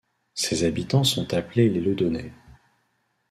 Ses habitants sont appelés les Leudonnais.